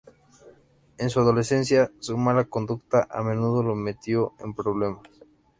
En su adolescencia, su mala conducta a menudo lo metió en problemas.